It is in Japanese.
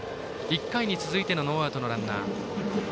１回に続いてのノーアウトのランナー。